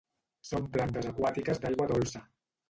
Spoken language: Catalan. Són plantes aquàtiques d'aigua dolça.